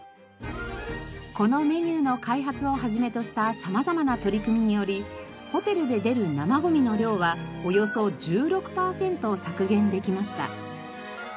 このメニューの開発を始めとした様々な取り組みによりホテルで出る生ゴミの量はおよそ１６パーセント削減できました。